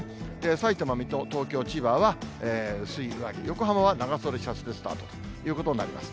さいたま、水戸、東京、千葉は、薄い上着、横浜は長袖シャツでスタートということになります。